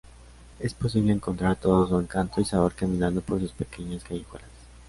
Es posible encontrar todo su encanto y sabor caminando por sus pequeñas callejuelas.